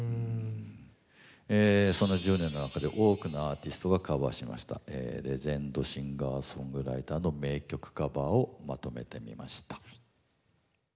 そんな１０年の中で多くのアーティストがカバーしましたレジェンド・シンガーソングライターの名曲カバーをまとめてみました。